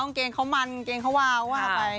กางเกงเขามันกางเกงเขาวาวว่าเอาไป